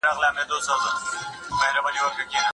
محلي حاکمان د مغولو له تګلارو متاثره دي.